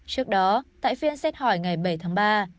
trước đó tại phiên xét hỏi ngày bảy tháng ba